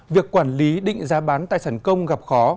việc quản lý định giá bán tài sản công gặp khó